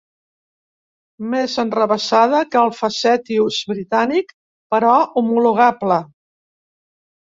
Més enrevessada que el "facetious" britànic, però homologable.